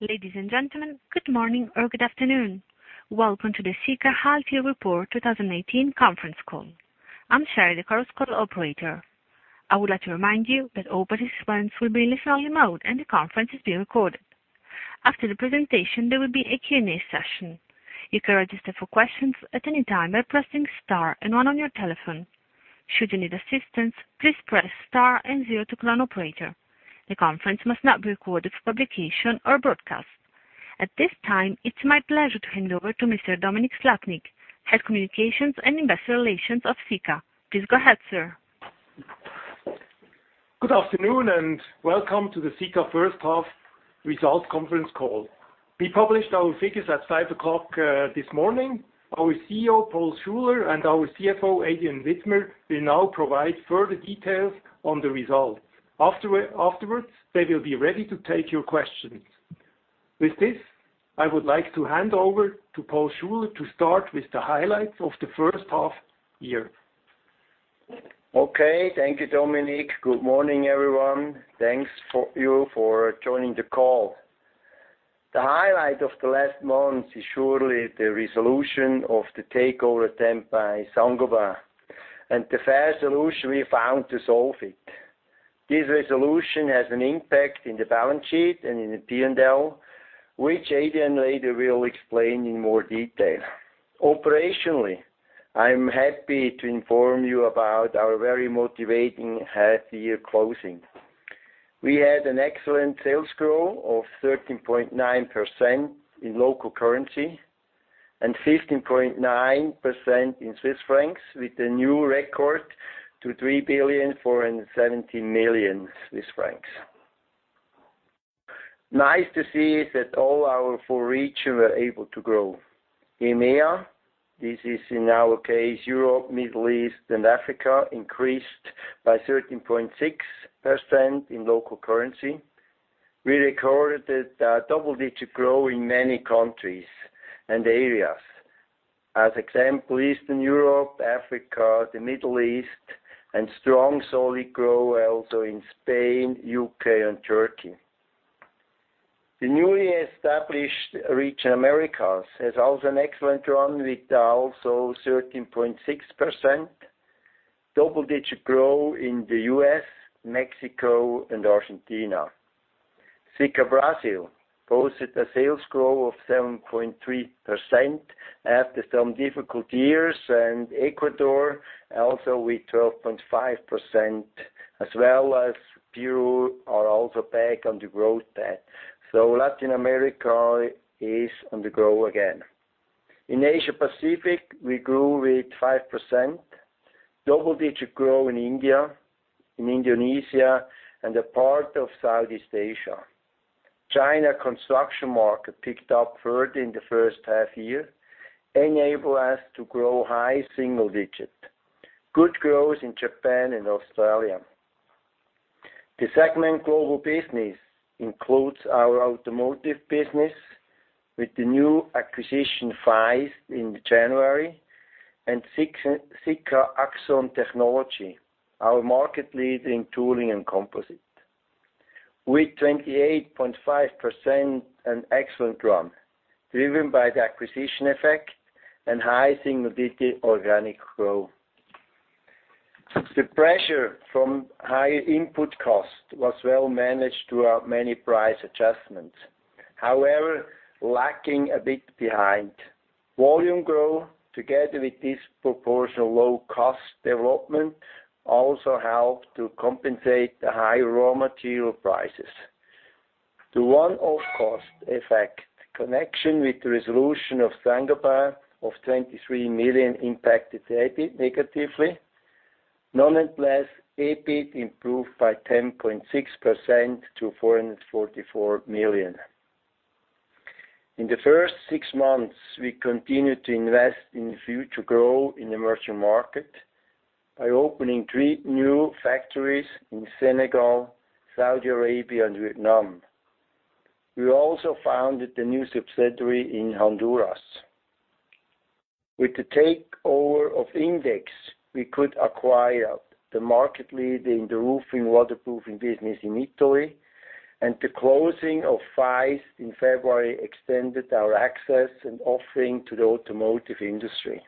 Ladies and gentlemen, good morning or good afternoon. Welcome to the Sika Half Year Report 2018 conference call. I'm Sherry, the conference call operator. I would like to remind you that all participants will be in listen-only mode, and the conference is being recorded. After the presentation, there will be a Q&A session. You can register for questions at any time by pressing star and one on your telephone. Should you need assistance, please press star and zero to connect to an operator. The conference must not be recorded for publication or broadcast. At this time, it's my pleasure to hand over to Mr. Dominik Slappnig, Head Corporate Communications and Investor Relations of Sika. Please go ahead, sir. Good afternoon and welcome to the Sika first half results conference call. We published our figures at 5:00 this morning. Our CEO, Paul Schuler, and our CFO, Adrian Widmer, will now provide further details on the results. Afterwards, they will be ready to take your questions. With this, I would like to hand over to Paul Schuler to start with the highlights of the first half year. Okay. Thank you, Dominik. Good morning, everyone. Thanks to you for joining the call. The highlight of the last month is surely the resolution of the takeover attempt by Saint-Gobain and the fair solution we found to solve it. This resolution has an impact on the balance sheet and in the P&L, which Adrian later will explain in more detail. Operationally, I'm happy to inform you about our very motivating half year closing. We had an excellent sales growth of 13.9% in local currency and 15.9% in CHF, with a new record to 3 billion and 470 million. Nice to see that all our four regions were able to grow. EMEA, this is in our case Europe, Middle East, and Africa, increased by 13.6% in local currency. We recorded a double-digit growth in many countries and areas. As example, Eastern Europe, Africa, the Middle East, and strong, solid growth also in Spain, U.K., and Turkey. The newly established region Americas, has also an excellent run with also 13.6% double-digit growth in the U.S., Mexico, and Argentina. Sika Brazil posted a sales growth of 7.3% after some difficult years, and Ecuador also with 12.5%, as well as Peru are also back on the growth path. Latin America is on the grow again. In Asia Pacific, we grew with 5%. Double-digit growth in India, in Indonesia, and a part of Southeast Asia. China construction market picked up further in the first half year, enable us to grow high single digit. Good growth in Japan and Australia. The segment Global Business includes our automotive business with the new acquisition, Faist, in January, and SikaAxson, our market leader in tooling and composite. With 28.5%, an excellent run, driven by the acquisition effect and high single digit organic growth. The pressure from high input cost was well managed throughout many price adjustments, lacking a bit behind. Volume growth together with this proportional low-cost development also helped to compensate the high raw material prices. The one-off cost effect connection with the resolution of Saint-Gobain of 23 million impacted the EBIT negatively. EBIT improved by 10.6% to 444 million. In the first six months, we continued to invest in the future growth in emerging market by opening three new factories in Senegal, Saudi Arabia, and Vietnam. We also founded a new subsidiary in Honduras. With the takeover of Index, we could acquire the market leader in the roofing waterproofing business in Italy, and the closing of Faist in February extended our access and offering to the automotive industry.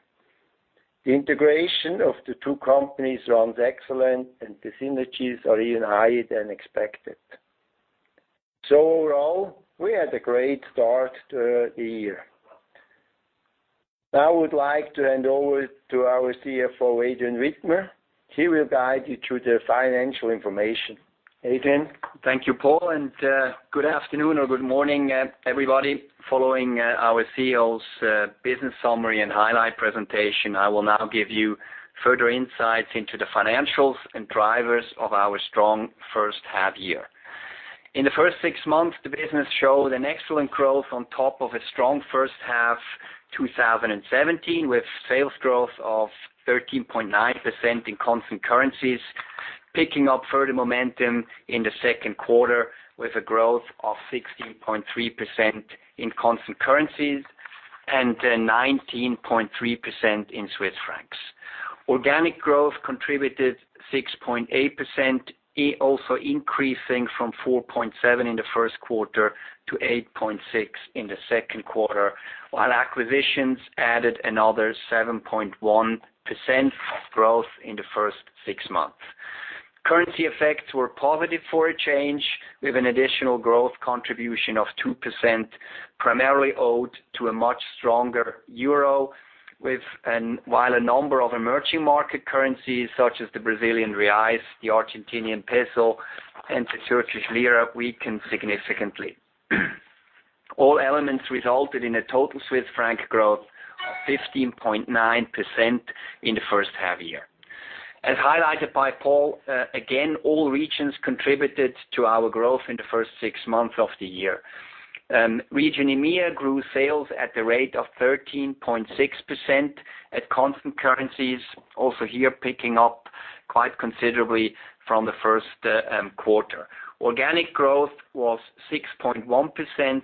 The integration of the two companies runs excellent, the synergies are even higher than expected. Overall, we had a great start to the year. I would like to hand over to our CFO, Adrian Widmer. He will guide you through the financial information. Adrian? Thank you, Paul, good afternoon or good morning, everybody. Following our CEO's business summary and highlight presentation, I will now give you further insights into the financials and drivers of our strong first half year. In the first six months, the business showed an excellent growth on top of a strong first half 2017, with sales growth of 13.9% in constant currencies, picking up further momentum in the second quarter with a growth of 16.3% in constant currencies and 19.3% in Swiss francs. Organic growth contributed 6.8%, also increasing from 4.7% in the first quarter to 8.6% in the second quarter, while acquisitions added another 7.1% growth in the first six months. Currency effects were positive for a change, with an additional growth contribution of 2%, primarily owed to a much stronger EUR, while a number of emerging market currencies such as the BRL, the ARS, and the TRY weakened significantly. All elements resulted in a total CHF growth of 15.9% in the first half-year. As highlighted by Paul, again, all regions contributed to our growth in the first six months of the year. Region EMEA grew sales at the rate of 13.6% at constant currencies. Here, picking up quite considerably from the first quarter. Organic growth was 6.1%,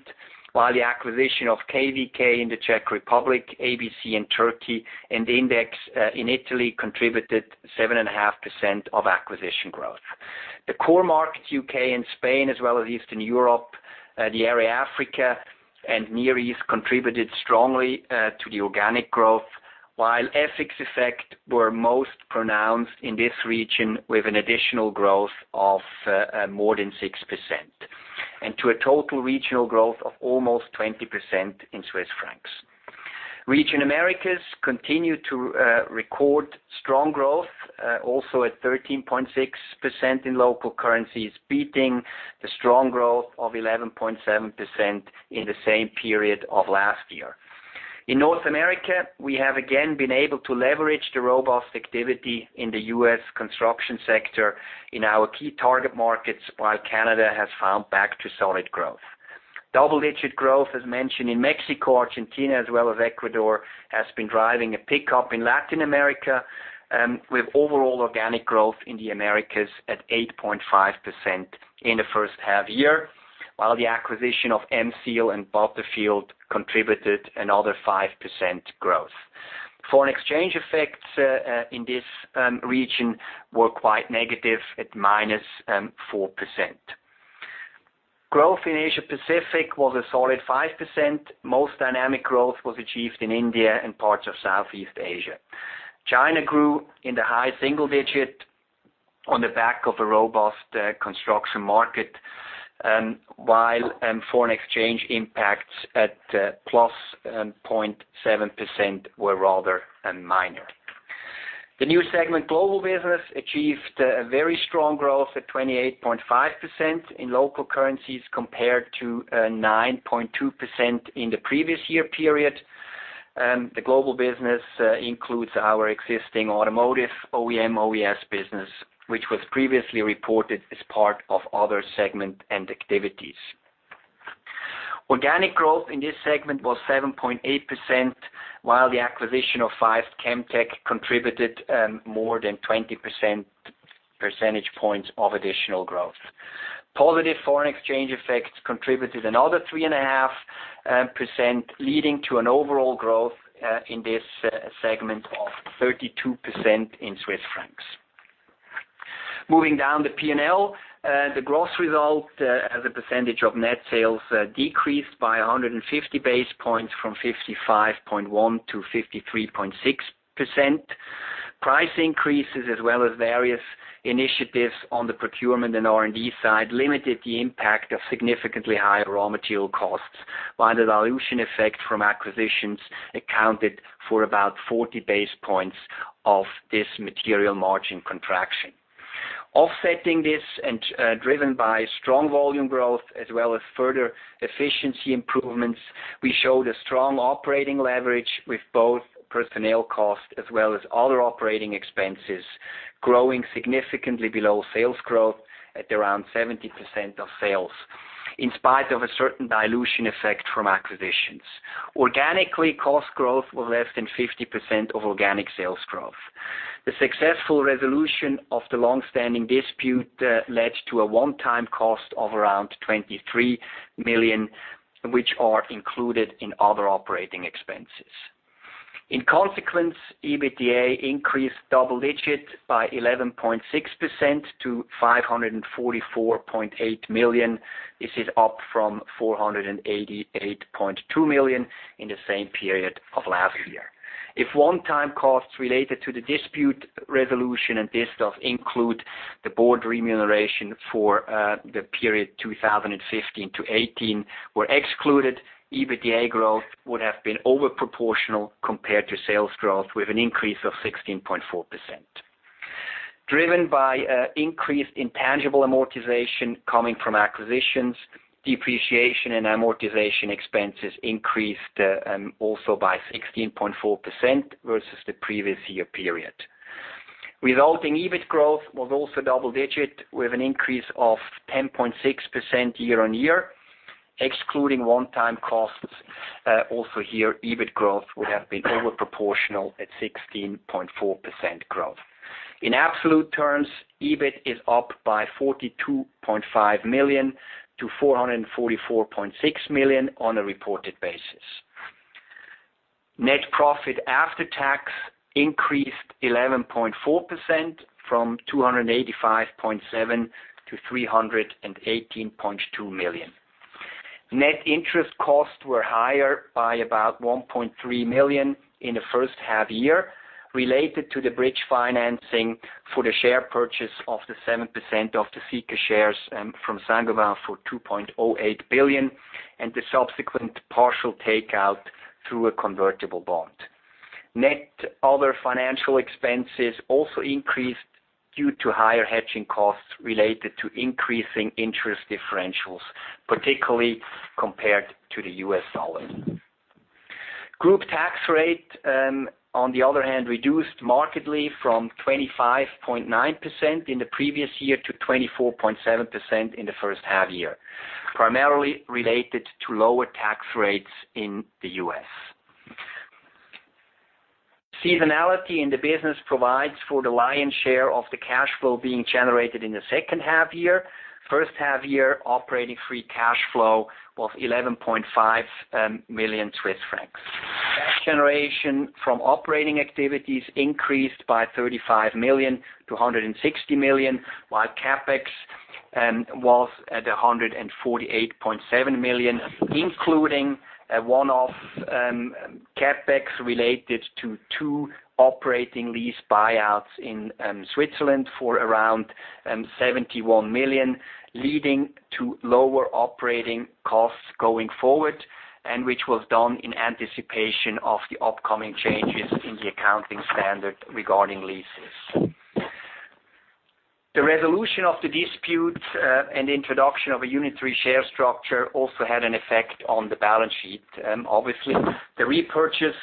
while the acquisition of KVK in the Czech Republic, ABC in Turkey, and Index in Italy contributed 7.5% of acquisition growth. The core markets, U.K. and Spain, as well as Eastern Europe, the area Africa and Near East, contributed strongly to the organic growth, while FX effect were most pronounced in this region with an additional growth of more than 6%, and to a total regional growth of almost 20% in CHF. Region Americas continued to record strong growth, also at 13.6% in local currencies, beating the strong growth of 11.7% in the same period of last year. In North America, we have again been able to leverage the robust activity in the U.S. construction sector in our key target markets, while Canada has found back to solid growth. Double-digit growth, as mentioned in Mexico, Argentina, as well as Ecuador, has been driving a pickup in Latin America, with overall organic growth in the Americas at 8.5% in the first half year, while the acquisition of M-Seal and Butterfield contributed another 5% growth. Foreign exchange effects in this region were quite negative at minus 4%. Growth in Asia Pacific was a solid 5%. Most dynamic growth was achieved in India and parts of Southeast Asia. China grew in the high single digit on the back of a robust construction market, while foreign exchange impacts at plus 0.7% were rather minor. The new segment, Global Business, achieved a very strong growth at 28.5% in local currencies compared to 9.2% in the previous year period. The Global Business includes our existing automotive OEM/OES business, which was previously reported as part of other segment and activities. Organic growth in this segment was 7.8%, while the acquisition of Faist ChemTec contributed more than 20% percentage points of additional growth. Positive foreign exchange effects contributed another 3.5%, leading to an overall growth in this segment of 32% in CHF. Moving down the P&L, the gross result as a percentage of net sales decreased by 150 basis points from 55.1 to 53.6%. Price increases as well as various initiatives on the procurement and R&D side limited the impact of significantly higher raw material costs, while the dilution effect from acquisitions accounted for about 40 basis points of this material margin contraction. Offsetting this and driven by strong volume growth as well as further efficiency improvements, we showed a strong operating leverage with both personnel costs as well as other operating expenses growing significantly below sales growth at around 70% of sales, in spite of a certain dilution effect from acquisitions. Organically, cost growth was less than 50% of organic sales growth. The successful resolution of the long-standing dispute led to a one-time cost of around 23 million, which are included in other operating expenses. In consequence, EBITDA increased double digit by 11.6% to 544.8 million. This is up from 488.2 million in the same period of last year. If one-time costs related to the dispute resolution and this stuff include the board remuneration for the period 2015 to 2018 were excluded, EBITDA growth would have been over proportional compared to sales growth with an increase of 16.4%. Driven by increased intangible amortization coming from acquisitions, depreciation and amortization expenses increased also by 16.4% versus the previous year period. Resulting EBIT growth was also double digit with an increase of 10.6% year-on-year. Excluding one-time costs, also here, EBIT growth would have been over proportional at 16.4% growth. In absolute terms, EBIT is up by 42.5 million to 444.6 million on a reported basis. Net profit after tax increased 11.4%, from 285.7 million to 318.2 million. Net interest costs were higher by about 1.3 million in the first half-year, related to the bridge financing for the share purchase of the 7% of the Sika shares from Saint-Gobain for 2.08 billion, and the subsequent partial takeout through a convertible bond. Net other financial expenses also increased due to higher hedging costs related to increasing interest differentials, particularly compared to the U.S. dollar. Group tax rate, on the other hand, reduced markedly from 25.9% in the previous year to 24.7% in the first half-year, primarily related to lower tax rates in the U.S. Seasonality in the business provides for the lion's share of the cash flow being generated in the second half-year. First half-year operating free cash flow was 11.5 million Swiss francs. Cash generation from operating activities increased by 35 million to 160 million, while CapEx was at 148.7 million, including a one-off CapEx related to two operating lease buyouts in Switzerland for around 71 million, leading to lower operating costs going forward, and which was done in anticipation of the upcoming changes in the accounting standard regarding leases. The resolution of the dispute, and introduction of a unit 3 share structure also had an effect on the balance sheet. Obviously, the repurchase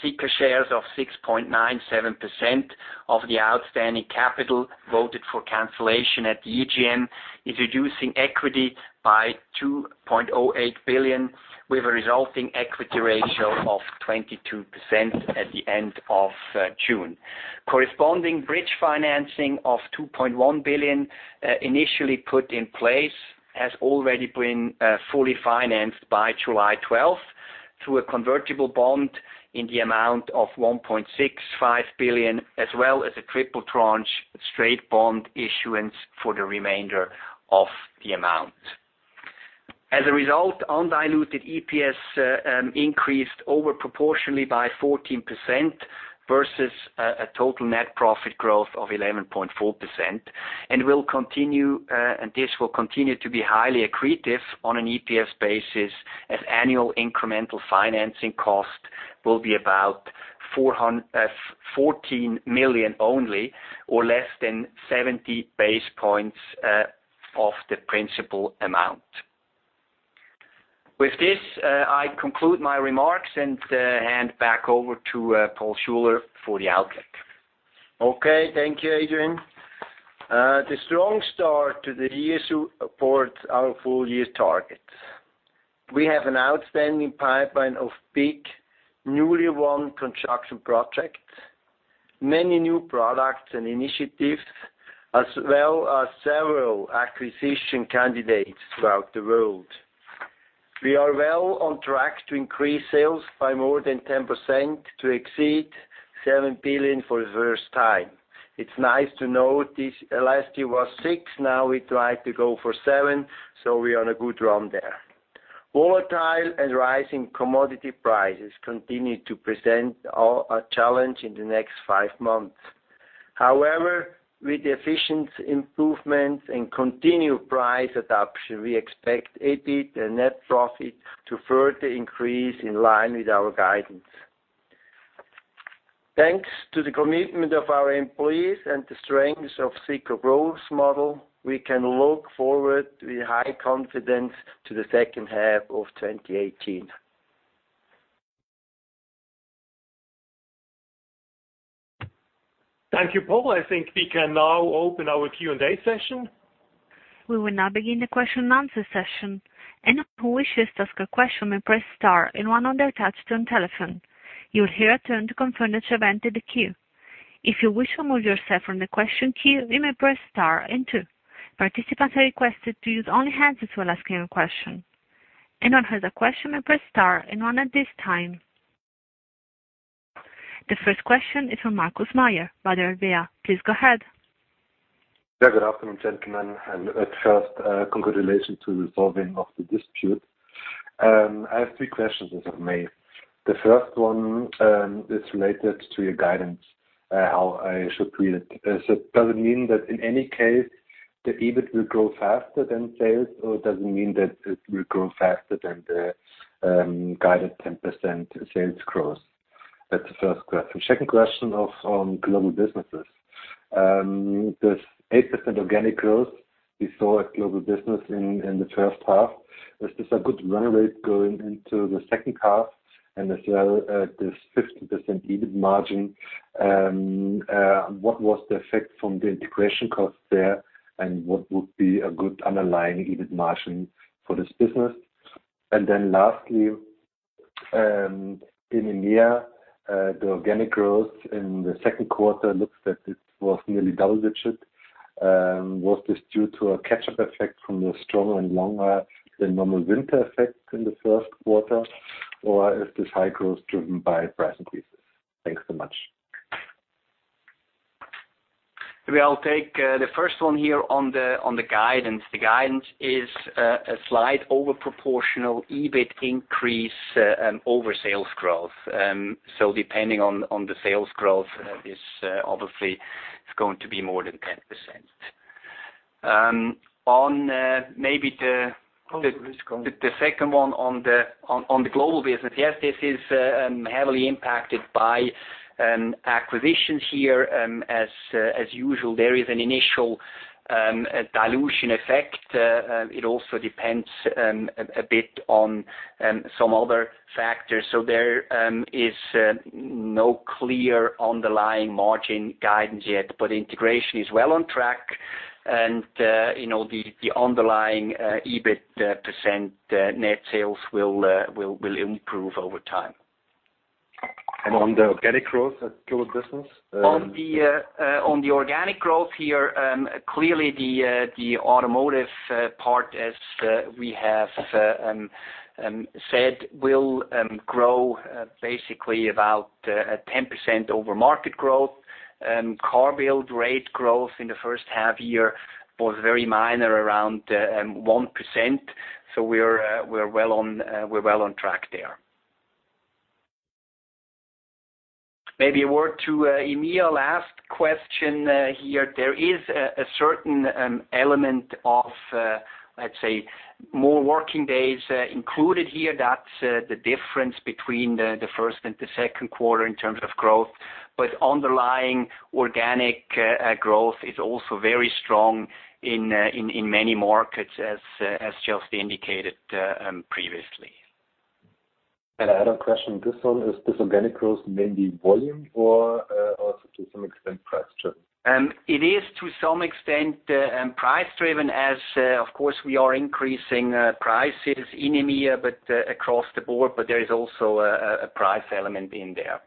Sika shares of 6.97% of the outstanding capital voted for cancellation at the EGM, introducing equity by 2.08 billion, with a resulting equity ratio of 22% at the end of June. Corresponding bridge financing of 2.1 billion initially put in place has already been fully financed by July 12, through a convertible bond in the amount of 1.65 billion, as well as a triple tranche straight bond issuance for the remainder of the amount. As a result, undiluted EPS increased over proportionally by 14%, versus a total net profit growth of 11.4%, and this will continue to be highly accretive on an EPS basis, as annual incremental financing cost will be about 14 million only, or less than 70 basis points of the principal amount. With this, I conclude my remarks and hand back over to Paul Schuler for the outlook. Okay. Thank you, Adrian. The strong start to the year supports our full year targets. We have an outstanding pipeline of big, newly won construction projects, many new products and initiatives, as well as several acquisition candidates throughout the world. We are well on track to increase sales by more than 10% to exceed 7 billion for the first time. It's nice to note this last year was six, now we try to go for seven, so we are on a good run there. Volatile and rising commodity prices continue to present a challenge in the next five months. However, with efficiency improvements and continued price adaption, we expect EBIT and net profit to further increase in line with our guidance. Thanks to the commitment of our employees and the strengths of Sika growth model, we can look forward with high confidence to the second half of 2018. Thank you, Paul. I think we can now open our Q&A session. We will now begin the question and answer session. Anyone who wishes to ask a question may press star and one on their touch-tone telephone. You will hear a tone to confirm that you have entered the queue. If you wish to remove yourself from the question queue, you may press star and two. Participants are requested to use only hands while asking a question. Anyone who has a question may press star and one at this time. The first question is from Markus Mayer, Baader Bank. Please go ahead. Yeah. At first, congratulations to resolving of the dispute. I have three questions, if I may. The first one is related to your guidance, how I should read it. Does it mean that in any case, the EBIT will grow faster than sales, or does it mean that it will grow faster than the guided 10% sales growth? That's the first question. Second question is on Global Business. This 8% organic growth we saw at Global Business in the first half, is this a good run rate going into the second half? As well, this 50% EBIT margin, what was the effect from the integration cost there, and what would be a good underlying EBIT margin for this business? In EMEA, the organic growth in the second quarter looks that it was nearly double-digit. Was this due to a catch-up effect from the stronger and longer than normal winter effect in the first quarter, or is this high growth driven by price increases? Thanks so much. Maybe I'll take the first one here on the guidance. The guidance is a slight over proportional EBIT increase over sales growth. Depending on the sales growth, this obviously is going to be more than 10%. On maybe the second one on the Global Business. Yes, this is heavily impacted by acquisitions here. As usual, there is an initial dilution effect. It also depends a bit on some other factors. There is no clear underlying margin guidance yet, but integration is well on track and the underlying EBIT percent net sales will improve over time. On the organic growth Global Business? On the organic growth here, clearly the automotive part, as we have said, will grow basically about 10% over market growth. Car build rate growth in the first half year was very minor, around 1%. We're well on track there. Maybe a word to EMEA, last question here. There is a certain element of, let's say, more working days included here. That's the difference between the first and the second quarter in terms of growth. Underlying organic growth is also very strong in many markets, as Jost indicated previously. I had a question, this one, is this organic growth mainly volume or also to some extent price driven? It is to some extent price driven as, of course, we are increasing prices in EMEA, across the board. There is also a price element in there.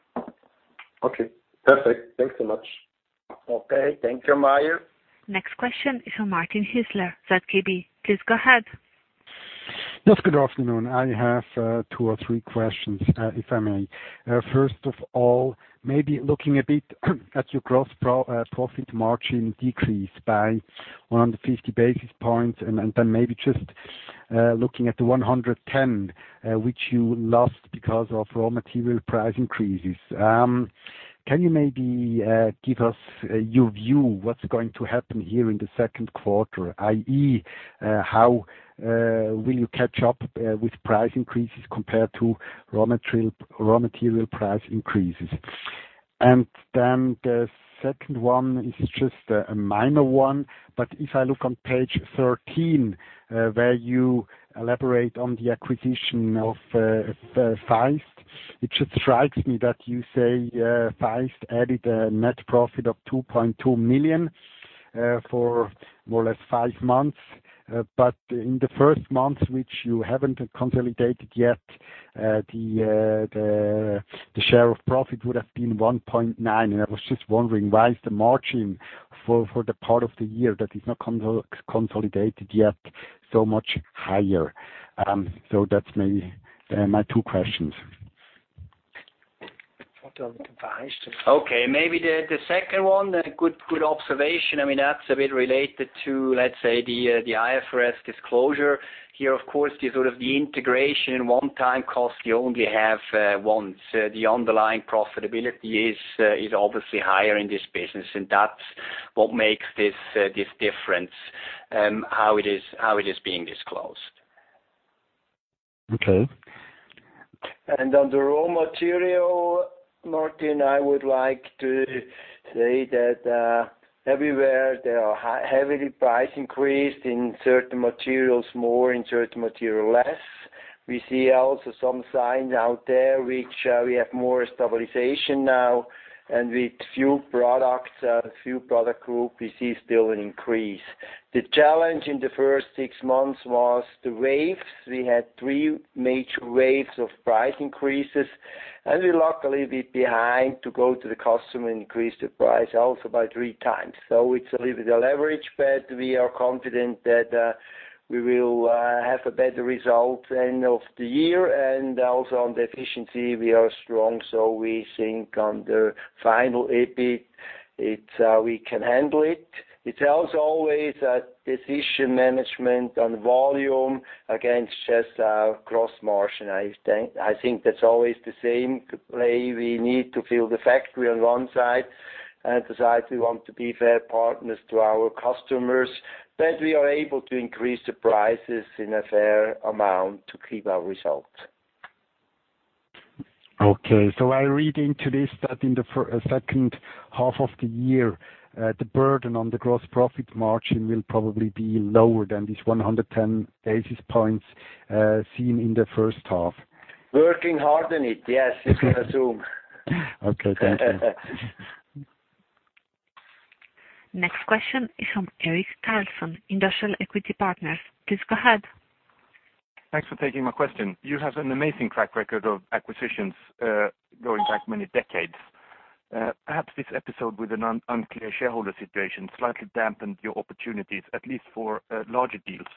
Okay, perfect. Thanks so much. Okay. Thank you, Mayer. Next question is from Martin Hüsler, ZKB. Please go ahead. Yes, good afternoon. I have two or three questions, if I may. First of all, maybe looking a bit at your gross profit margin decrease by 150 basis points. Maybe just looking at the 110, which you lost because of raw material price increases. Can you maybe give us your view, what's going to happen here in the second quarter, i.e., how will you catch up with price increases compared to raw material price increases? The second one is just a minor one, but if I look on page 13, where you elaborate on the acquisition of Faist, it just strikes me that you say Faist added a net profit of 2.2 million for more or less five months. In the first month, which you haven't consolidated yet, the share of profit would have been 1.9. I was just wondering why is the margin for the part of the year that is not consolidated yet, so much higher? That's maybe my two questions. Okay, maybe the second one, good observation. I mean, that's a bit related to, let's say, the IFRS disclosure here. Of course, the sort of the integration one-time cost you only have once. The underlying profitability is obviously higher in this business, that's what makes this difference, how it is being disclosed. Okay. On the raw material, Martin, I would like to say that everywhere there are heavily price increased in certain materials, more in certain material less. We see also some signs out there which we have more stabilization now, with few product group, we see still an increase. The challenge in the first six months was the waves. We had three major waves of price increases, we luckily a bit behind to go to the customer, increase the price also by three times. It's a little bit a leverage, we are confident that we will have a better result end of the year. Also on the efficiency we are strong, we think on the final EBIT, we can handle it. It's also always a decision management on volume against just gross margin. I think that's always the same play. We need to fill the factory on one side and decide we want to be fair partners to our customers, but we are able to increase the prices in a fair amount to keep our result. Okay. I read into this that in the second half of the year, the burden on the gross profit margin will probably be lower than this 110 basis points seen in the first half. Working hard on it. Yes, you can assume. Okay, thank you. Next question is from Eric Carlson, Industrial Equity Partners. Please go ahead. Thanks for taking my question. You have an amazing track record of acquisitions going back many decades. Perhaps this episode with an unclear shareholder situation slightly dampened your opportunities, at least for larger deals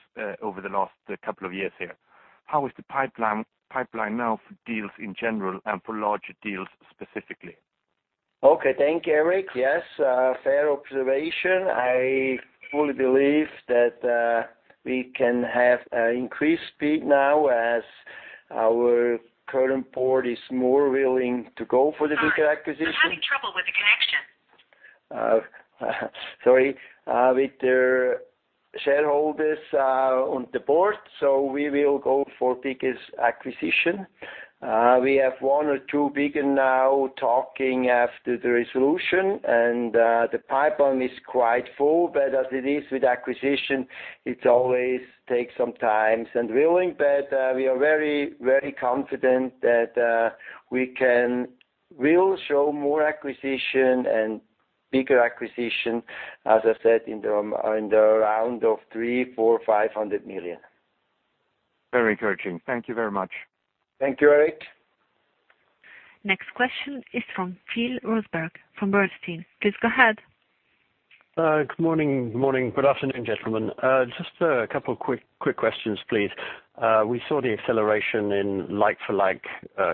over the last couple of years here. How is the pipeline now for deals in general and for larger deals specifically? Okay. Thank you, Eric. Yes, fair observation. I fully believe that we can have increased speed now as our current board is more willing to go for the bigger acquisition. I'm having trouble with the connection. Sorry, with the shareholders on the board, we will go for biggest acquisition. We have one or two big now talking after the resolution, and the pipeline is quite full, but as it is with acquisition, it always takes some time and willing, but we are very confident that we will show more acquisition and bigger acquisition, as I said, in the round of three, four, 500 million. Very encouraging. Thank you very much. Thank you, Eric. Next question is from Louis Rosenberg, from Bernstein. Please go ahead. Good morning. Good afternoon, gentlemen. Just a couple quick questions, please. We saw the acceleration in like-for-like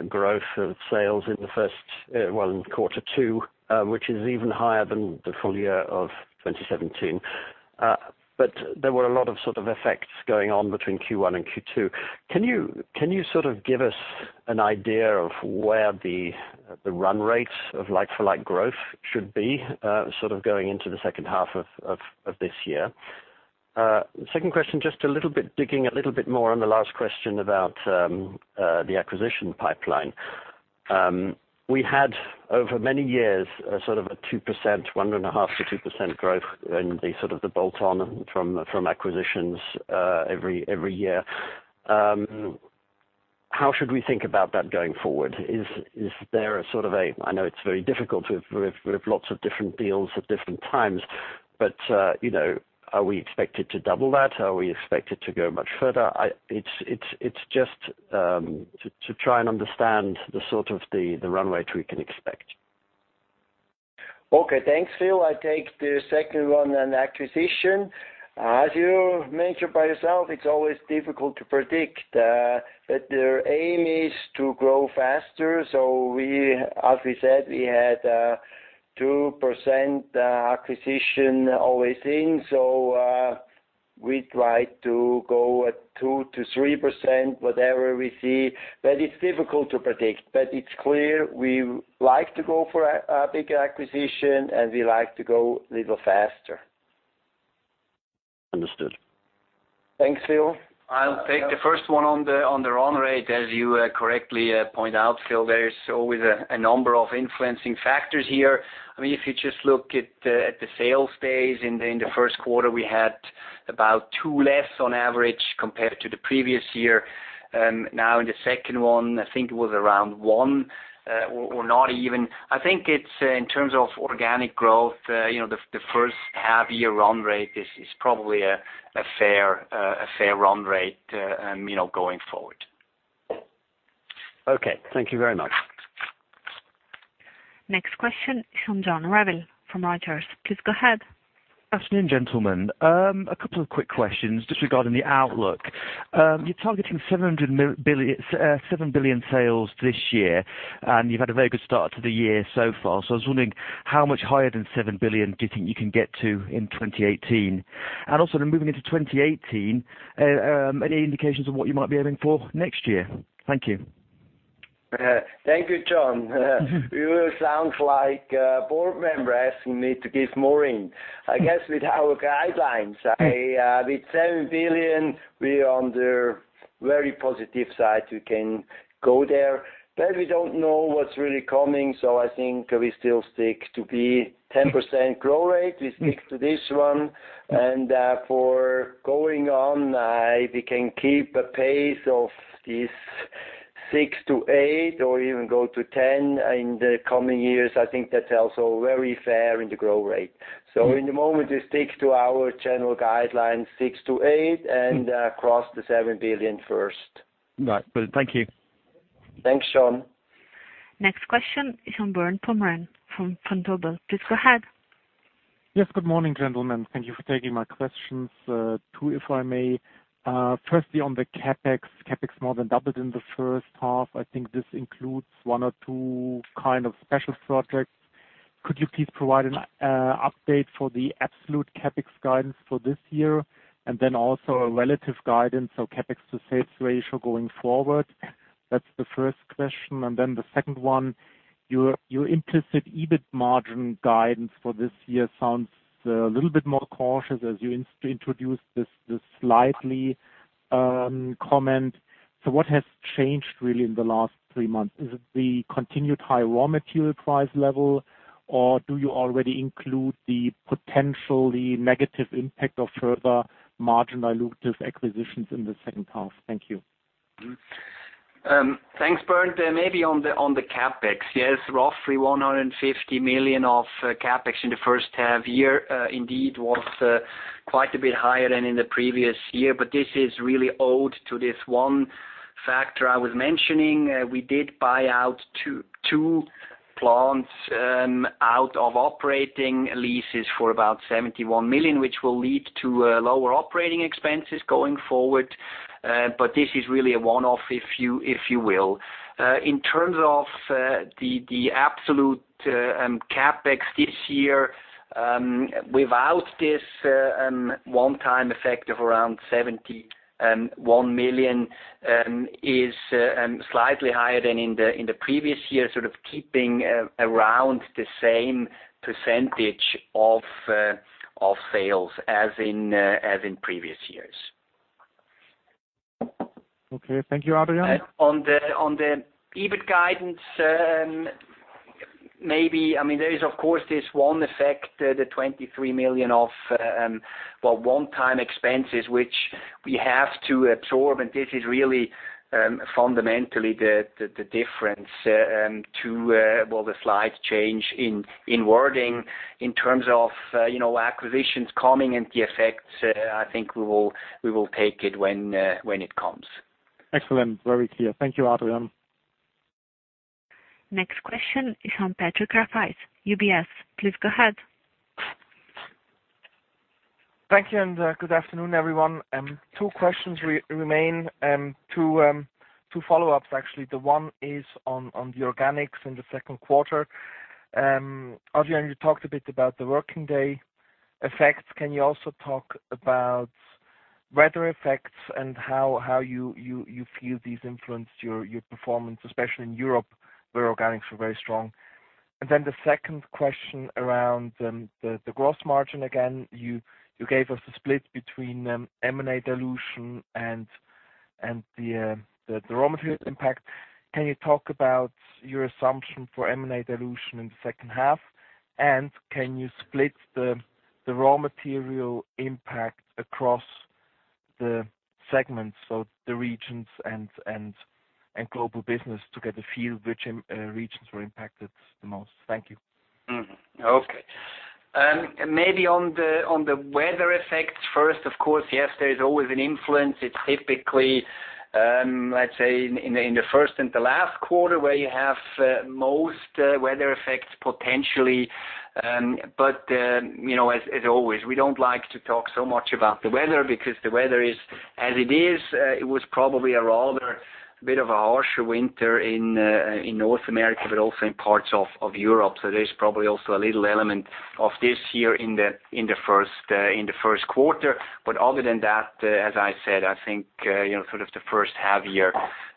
growth of sales in quarter two, which is even higher than the full year of 2017. There were a lot of sort of effects going on between Q1 and Q2. Can you sort of give us an idea of where the run rates of like-for-like growth should be sort of going into the second half of this year? Second question, just digging a little bit more on the last question about the acquisition pipeline. We had, over many years, sort of a 2%, 1.5%-2% growth in the sort of bolt-on from acquisitions every year. How should we think about that going forward? I know it's very difficult with lots of different deals at different times, are we expected to double that? Are we expected to go much further? It's just to try and understand the sort of the runway we can expect. Okay. Thanks, Phil. I take the second one on acquisition. As you mentioned by yourself, it's always difficult to predict. The aim is to grow faster, so as we said, we had 2% acquisition always in. We try to go at 2%-3%, whatever we see. It's clear we like to go for a bigger acquisition, and we like to go a little faster. Understood. Thanks, Phil. I'll take the first one on the run rate, as you correctly point out, Phil, there is always a number of influencing factors here. If you just look at the sales days in the first quarter, we had about two less on average compared to the previous year. Now, in the second one, I think it was around one, or not even. I think it's in terms of organic growth, the first half year run rate is probably a fair run rate going forward. Okay. Thank you very much. Next question is from John Ravel, from Rogers. Please go ahead. Good afternoon, gentlemen. A couple of quick questions just regarding the outlook. You're targeting 7 billion sales this year, and you've had a very good start to the year so far. I was wondering, how much higher than 7 billion do you think you can get to in 2018? Also, then moving into 2018, any indications of what you might be aiming for next year? Thank you. Thank you, John. You sound like a board member asking me to give more in. I guess with our guidelines, with 7 billion, we are on the very positive side. We can go there. We don't know what's really coming, so I think we still stick to the 10% growth rate. We stick to this one, and for going on, if we can keep a pace of this six to eight, or even go to 10 in the coming years, I think that's also very fair in the growth rate. In the moment, we stick to our general guidelines, six to eight, and cross the 7 billion first. Right. Thank you. Thanks, John. Next question is from Bernd Pomrehn from Vontobel. Please go ahead. Yes. Good morning, gentlemen. Thank you for taking my questions. Two, if I may. Firstly, on the CapEx. CapEx more than doubled in the first half. I think this includes one or two kind of special projects. Could you please provide an update for the absolute CapEx guidance for this year? Also a relative guidance, so CapEx to sales ratio going forward. That's the first question. The second one, your implicit EBIT margin guidance for this year sounds a little bit more cautious as you introduced this slightly comment. What has changed really in the last three months? Is it the continued high raw material price level, or do you already include the potentially negative impact of further margin dilutive acquisitions in the second half? Thank you. Thanks, Bernd. Maybe on the CapEx. Yes, roughly 150 million of CapEx in the first half-year indeed was quite a bit higher than in the previous year. This is really owed to this one factor I was mentioning. We did buy out two plants out of operating leases for about 71 million, which will lead to lower operating expenses going forward. This is really a one-off, if you will. In terms of the absolute CapEx this year, without this one-time effect of around 71 million, is slightly higher than in the previous year, sort of keeping around the same percentage of sales as in previous years. Okay. Thank you, Adrian. On the EBIT guidance, there is, of course, this one effect, the 23 million of one-time expenses, which we have to absorb. This is really fundamentally the difference to the slight change in wording. In terms of acquisitions coming and the effects, I think we will take it when it comes. Excellent. Very clear. Thank you, Adrian. Next question is from Patrick Rafaisz, UBS. Please go ahead. Thank you and good afternoon, everyone. Two questions remain. Two follow-ups, actually. The one is on the organics in the second quarter. Adrian, you talked a bit about the working day effects. Can you also talk about weather effects and how you feel these influenced your performance, especially in Europe, where organics were very strong? Then the second question around the gross margin. Again, you gave us a split between M&A dilution and the raw materials impact. Can you talk about your assumption for M&A dilution in the second half? Can you split the raw material impact across the segments, so the regions and Global Business to get a feel which regions were impacted the most? Thank you. Okay. Maybe on the weather effects first, of course, yes, there is always an influence. It's typically, let's say in the first and the last quarter where you have most weather effects potentially. As always, we don't like to talk so much about the weather, because the weather is as it is. It was probably a rather bit of a harsher winter in North America, but also in parts of Europe. There is probably also a little element of this year in the first quarter. Other than that, as I said, I think, sort of the first half year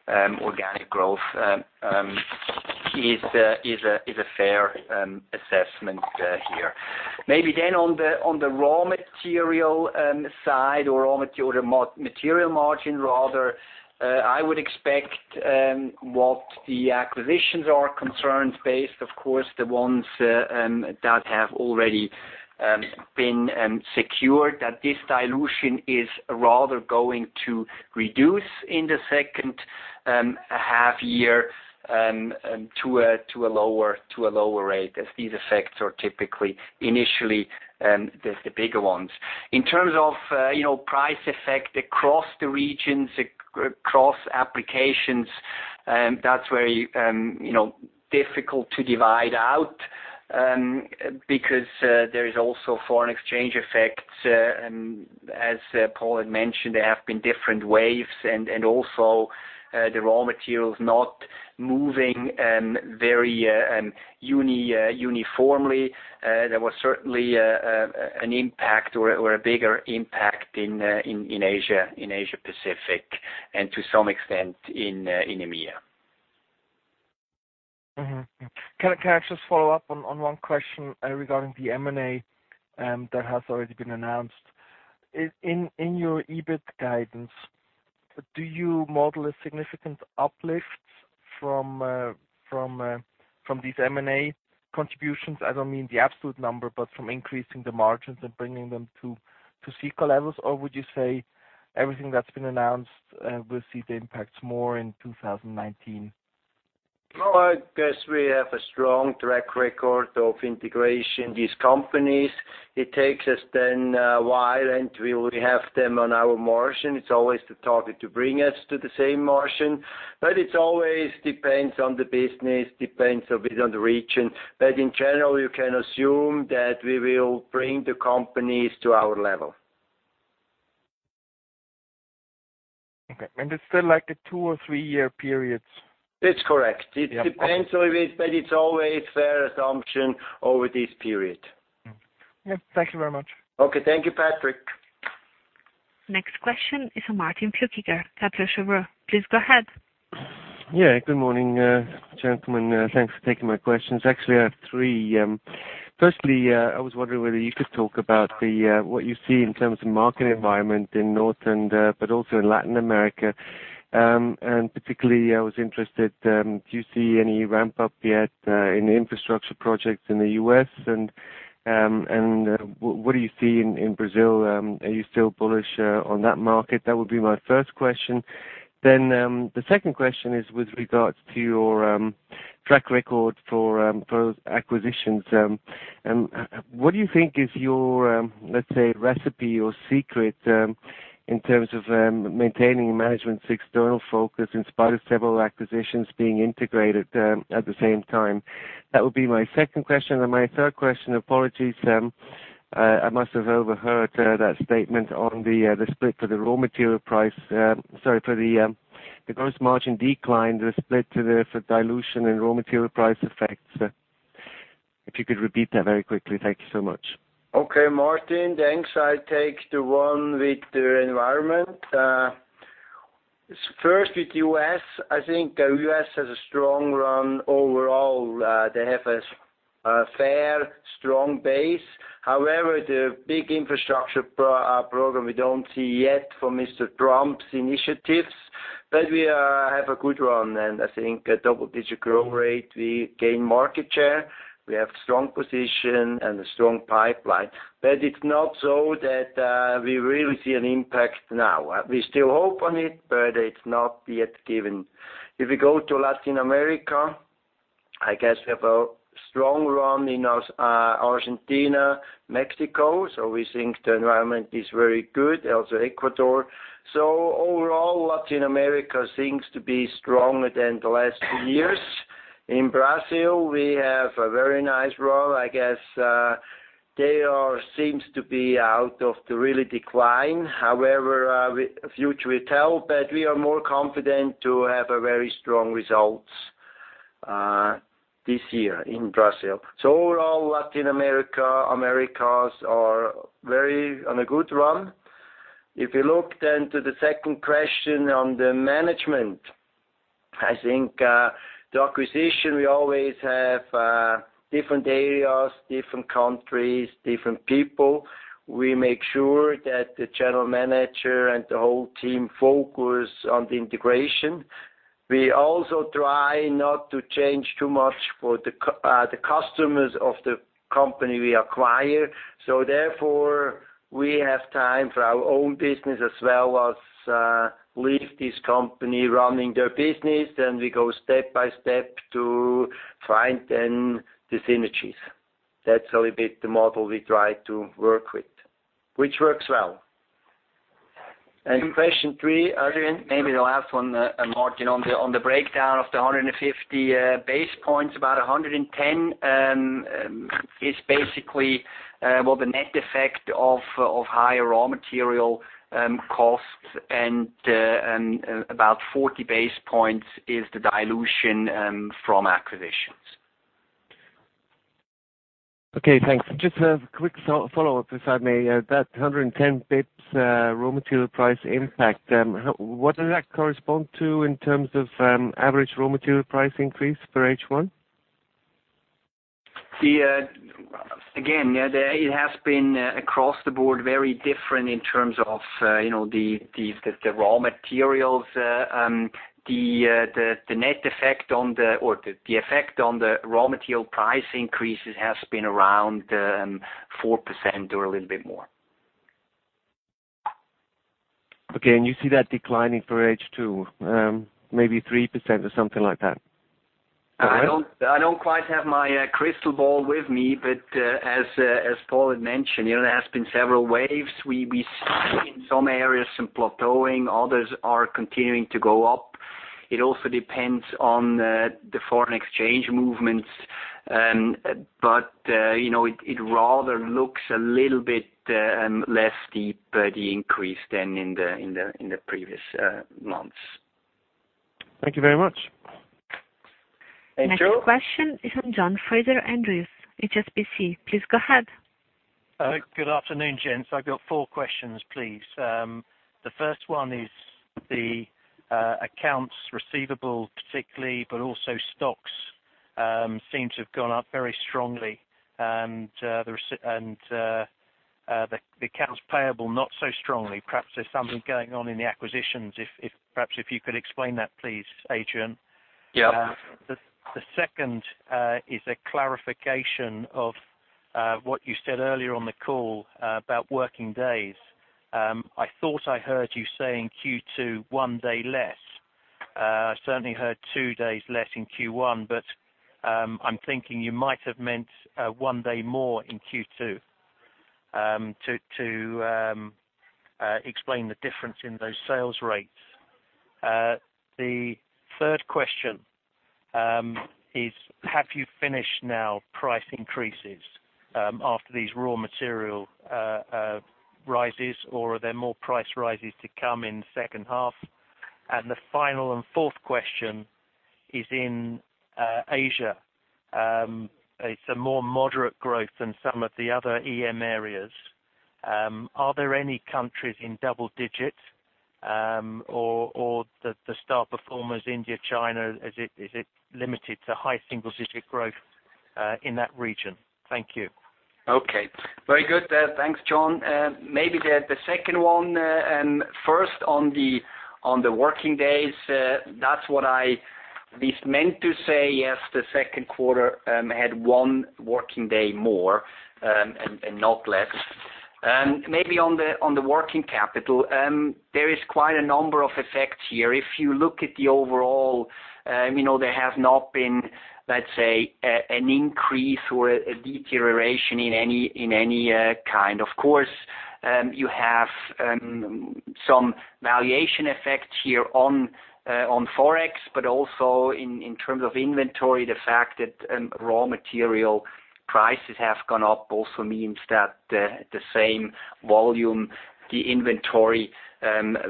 organic growth is a fair assessment here. Maybe on the raw material side or raw material margin rather, I would expect what the acquisitions are concerns based, of course, the ones that have already been secured, that this dilution is rather going to reduce in the second half year to a lower rate, as these effects are typically initially the bigger ones. In terms of price effect across the regions, across applications, that's very difficult to divide out, because there is also foreign exchange effects. As Paul had mentioned, there have been different waves and also the raw materials not moving very uniformly. There was certainly an impact or a bigger impact in Asia-Pacific and to some extent in EMEA. Can I just follow up on one question regarding the M&A that has already been announced? In your EBIT guidance, do you model a significant uplift from these M&A contributions? I don't mean the absolute number, but from increasing the margins and bringing them to Sika levels, or would you say everything that's been announced will see the impacts more in 2019? I guess we have a strong track record of integration these companies. It takes us then a while, and we will have them on our margin. It's always the target to bring us to the same margin, but it always depends on the business, depends a bit on the region. In general, you can assume that we will bring the companies to our level. Okay. It's still like a two or three-year period? That's correct. Yeah, okay. It depends a little bit, but it's always fair assumption over this period. Yeah. Thank you very much. Okay. Thank you, Patrick. Next question is Martin Flueckiger, Kepler Cheuvreux. Please go ahead. Yeah. Good morning, gentlemen. Thanks for taking my questions. Actually, I have three. Firstly, I was wondering whether you could talk about what you see in terms of market environment in North and also in Latin America. Particularly I was interested, do you see any ramp up yet in infrastructure projects in the U.S. and what do you see in Brazil? Are you still bullish on that market? That would be my first question. The second question is with regards to your track record for acquisitions. What do you think is your, let's say, recipe or secret in terms of maintaining management's external focus in spite of several acquisitions being integrated at the same time? That would be my second question. My third question, apologies, I must have overheard that statement on the split for the gross margin decline, the split for dilution and raw material price effects. If you could repeat that very quickly. Thank you so much. Okay, Martin, thanks. I'll take the one with the environment. First with U.S., I think U.S. has a strong run overall. They have a fair, strong base. The big infrastructure program we don't see yet for Mr. Trump's initiatives, but we have a good run, and I think a double-digit growth rate. We gain market share. We have strong position and a strong pipeline. It's not so that we really see an impact now. We still hope on it, but it's not yet given. If we go to Latin America, I guess we have a strong run in Argentina, Mexico. We think the environment is very good, also Ecuador. Overall, Latin America seems to be stronger than the last few years. In Brazil, we have a very nice run, I guess. They are seems to be out of the really decline. Future will tell, but we are more confident to have a very strong results this year in Brazil. Overall, Latin America, Americas are very on a good run. If you look then to the second question on the management, I think, the acquisition, we always have different areas, different countries, different people. We make sure that the general manager and the whole team focus on the integration. We also try not to change too much for the customers of the company we acquire. Therefore, we have time for our own business as well as leave this company running their business, then we go step by step to find then the synergies. That's a little bit the model we try to work with, which works well. Thank you. Question three, Adrian, maybe the last one, Martin, on the breakdown of the 150 basis points, about 110 is basically the net effect of higher raw material costs and about 40 basis points is the dilution from acquisitions. Thanks. Just a quick follow-up, if I may. That 110 basis points raw material price impact, what does that correspond to in terms of average raw material price increase for H1? It has been across the board very different in terms of the raw materials. The effect on the raw material price increases has been around 4% or a little bit more. You see that declining for H2, maybe 3% or something like that? Correct? I don't quite have my crystal ball with me, as Paul had mentioned, there has been several waves. We see in some areas some plateauing, others are continuing to go up. It also depends on the foreign exchange movements. It rather looks a little bit less steep, the increase than in the previous months. Thank you very much. Thank you. Next question is from John Fraser-Andrews, HSBC. Please go ahead. Good afternoon, gents. I've got four questions, please. The first one is the accounts receivable particularly, but also stocks seem to have gone up very strongly and the accounts payable not so strongly. Perhaps there's something going on in the acquisitions, perhaps if you could explain that, please, Adrian. Yeah. The second is a clarification of what you said earlier on the call about working days. I thought I heard you saying Q2, one day less. I certainly heard two days less in Q1, but I'm thinking you might have meant one day more in Q2 to explain the difference in those sales rates. The third question is, have you finished now price increases after these raw material rises, or are there more price rises to come in the second half? The final and fourth question is in Asia. It's a more moderate growth than some of the other EM areas. Are there any countries in double digits or the star performers, India, China, is it limited to high single-digit growth in that region? Thank you. Okay. Very good. Thanks, John. Maybe the second one first on the working days. That's what I This meant to say, yes, the second quarter had one working day more, and not less. Maybe on the working capital, there is quite a number of effects here. If you look at the overall, there has not been, let's say, an increase or a deterioration in any kind. Of course, you have some valuation effects here on Forex, but also in terms of inventory, the fact that raw material prices have gone up also means that the same volume, the inventory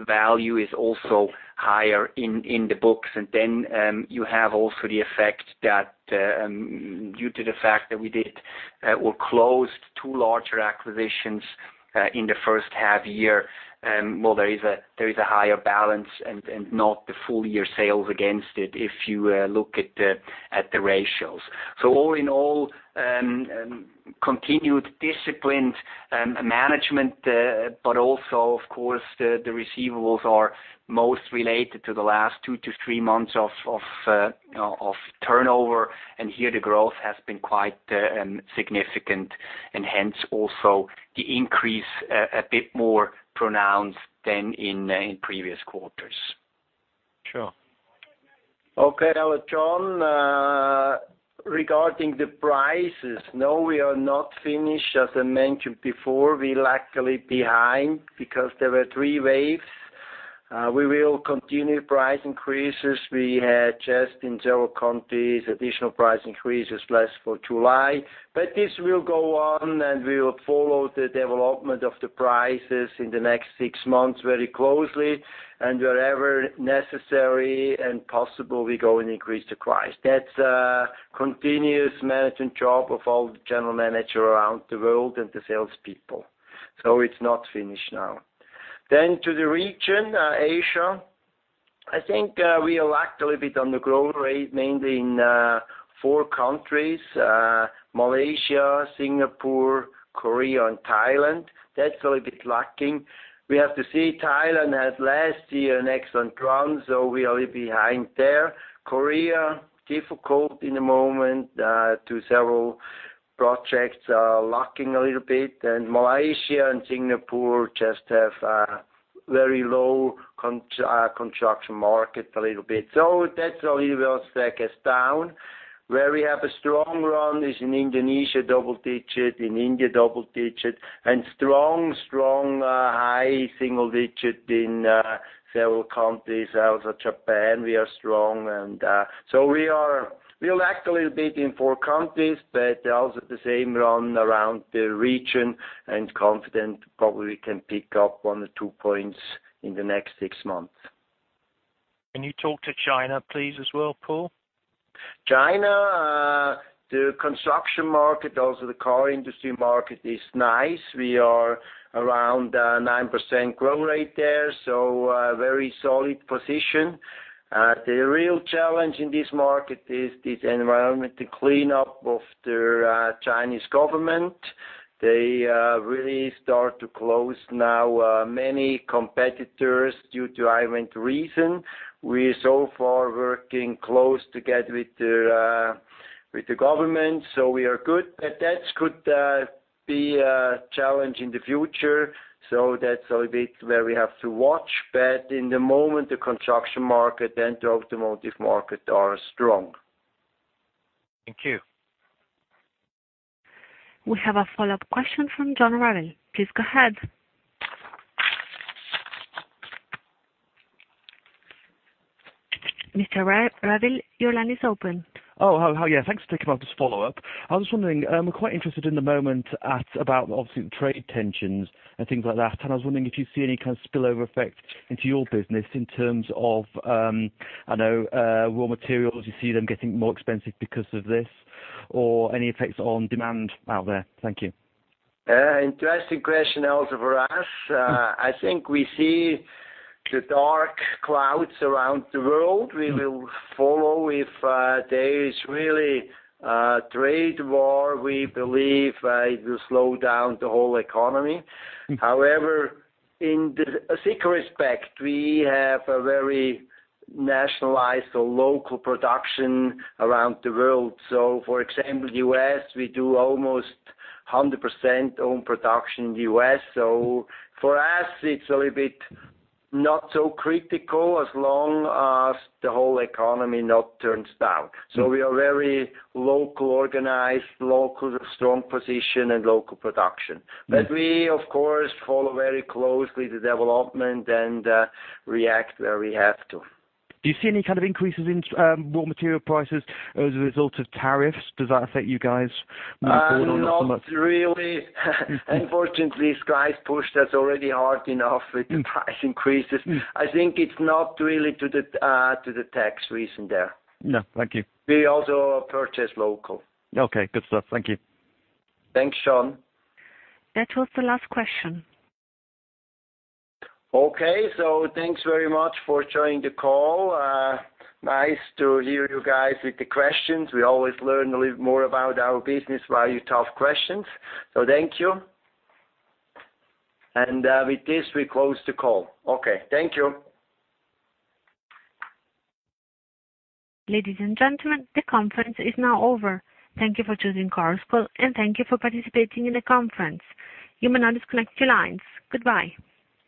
value is also higher in the books. Then you have also the effect that due to the fact that we did or closed two larger acquisitions in the first half year, well, there is a higher balance and not the full-year sales against it if you look at the ratios. All in all, continued disciplined management, but also, of course, the receivables are most related to the last two to three months of turnover, and here the growth has been quite significant, and hence also the increase, a bit more pronounced than in previous quarters. Sure. Okay. John, regarding the prices, no, we are not finished. As I mentioned before, we lag a little behind because there were three waves. We will continue price increases. We had just in several countries additional price increases last for July. This will go on, and we will follow the development of the prices in the next six months very closely. Wherever necessary and possible, we go and increase the price. That's a continuous management job of all the general manager around the world and the salespeople. It's not finished now. To the region, Asia, I think we lag a little bit on the growth rate, mainly in four countries: Malaysia, Singapore, Korea, and Thailand. That's a little bit lacking. We have to see. Thailand had last year an excellent run. We are a little behind there. Korea, difficult in the moment to several projects are lacking a little bit. Malaysia and Singapore just have a very low construction market a little bit. That's a little bit set us down. Where we have a strong run is in Indonesia, double digit, in India, double digit, and strong high single digit in several countries. Also Japan, we are strong. We lag a little bit in four countries, but also the same run around the region and confident probably we can pick up one or two points in the next six months. Can you talk to China, please, as well, Paul? China, the construction market, also the car industry market is nice. We are around 9% growth rate there. A very solid position. The real challenge in this market is this environmental cleanup of the Chinese government. They really start to close now many competitors due to environment reason. We so far working close together with the government. We are good. That could be a challenge in the future. That's a little bit where we have to watch. In the moment, the construction market and the automotive market are strong. Thank you. We have a follow-up question from John Ravel. Please go ahead. Mr. Ravel, your line is open. Oh, hello. Yeah, thanks for taking my follow-up. I was just wondering, we're quite interested in the moment at about, obviously, the trade tensions and things like that, and I was wondering if you see any kind of spillover effect into your business in terms of raw materials. You see them getting more expensive because of this, or any effects on demand out there. Thank you. Interesting question also for us. I think we see the dark clouds around the world. We will follow if there is really a trade war. We believe it will slow down the whole economy. However, in the Sika respect, we have a very nationalized or local production around the world. For example, U.S., we do almost 100% own production in the U.S. For us, it's a little bit not so critical as long as the whole economy not turns down. We are very local organized, local strong position, and local production. We, of course, follow very closely the development and react where we have to. Do you see any kind of increases in raw material prices as a result of tariffs? Does that affect you guys more broadly or somewhat? Not really. Unfortunately, Sika has pushed us already hard enough with the price increases. I think it's not really to the tax reason there. No, thank you. We also purchase local. Okay, good stuff. Thank you. Thanks, John. That was the last question. Thanks very much for joining the call. Nice to hear you guys with the questions. We always learn a little more about our business while you ask questions. Thank you. With this, we close the call. Okay. Thank you. Ladies and gentlemen, the conference is now over. Thank you for choosing Chorus Call, and thank you for participating in the conference. You may now disconnect your lines. Goodbye.